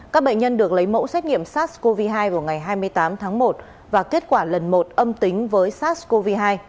các bệnh nhân được lấy mẫu xét nghiệm sars cov hai vào ngày hai mươi tám tháng một và kết quả lần một âm tính với sars cov hai